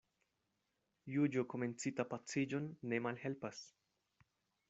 Juĝo komencita paciĝon ne malhelpas.